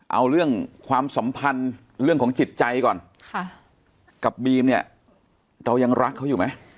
เอาเรื่องความสัมพันธ์เรื่องของจิตใจก่อนกับบีมเนี่ยเรายังรักเขาอยู่ไหม